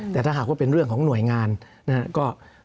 แต่ถ้าหากว่าเป็นเรื่องของหน่วยงานนะครับ